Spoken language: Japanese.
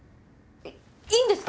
えっいいんですか？